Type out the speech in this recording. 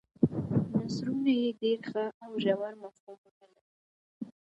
نثرونه یې ډېر ښه او ژور مفهومونه لري.